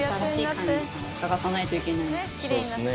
そうですね。